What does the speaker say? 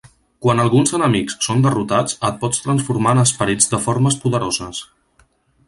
Quan alguns enemics són derrotats, et pots transformar en esperits de formes poderoses.